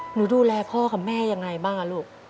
หนูดูแลพ่อกับแม่อย่างไรบ้างล่ะลูก